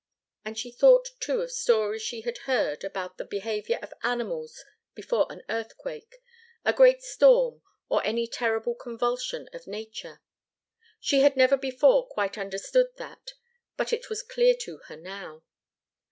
And she thought, too, of stories she had heard about the behaviour of animals before an earthquake, a great storm, or any terrible convulsion of nature. She had never before quite understood that, but it was clear to her now.